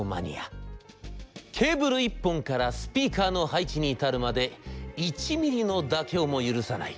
ケーブル一本からスピーカーの配置に至るまで１ミリの妥協も許さない。